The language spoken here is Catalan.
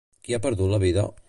Qui ha perdut la vida?